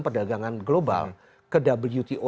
perdagangan global ke wto